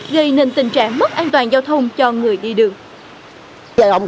gây nên tình trạng mất an toàn giao thông cho người đi đường